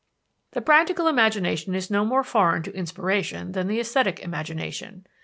The practical imagination is no more foreign to inspiration than the esthetic imagination.